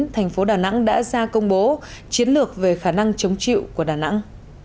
thành phố đà nẵng đã ra công bố chiến lược về khả năng chống chịu của đà nẵng